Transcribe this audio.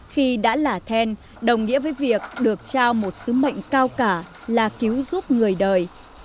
khi đã là then đồng nghĩa với việc được trao một sứ mệnh cao cả là cứu giúp người đời